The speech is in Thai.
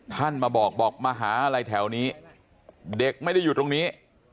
ท่านมาบอกบอกมาหาอะไรแถวนี้เด็กไม่ได้อยู่ตรงนี้